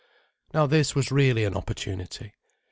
Now this was really an opportunity.